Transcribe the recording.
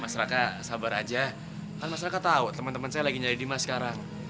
mas raka sabar aja kan mas raka tahu temen temen saya lagi nyari nadimas sekarang